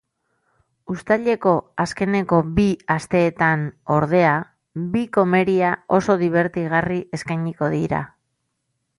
Uztaileko azkeneko bi asteetan, ordea, bi komeria oso dibertigarri eskainiko dira.